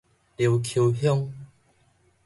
琉球鄉